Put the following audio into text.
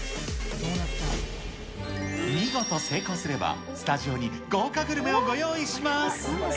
見事成功すれば、スタジオに豪華グルメをご用意します。